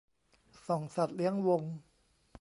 ส่องสัตว์เลี้ยงวง